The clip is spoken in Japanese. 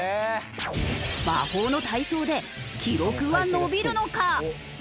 魔法の体操で記録は伸びるのか？